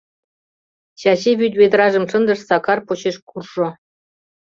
Чачи вӱд ведражым шындыш, Сакар почеш куржо: